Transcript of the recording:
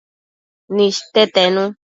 niste tenu